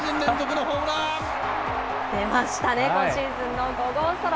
出ましたね、今シーズンの５号ソロ。